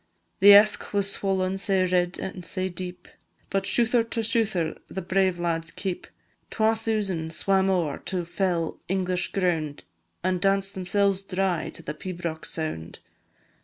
The Esk was swollen sae red an' sae deep, But shouther to shouther the brave lads keep; Twa thousand swam ower to fell English ground, An' danced themselves dry to the pibroch sound.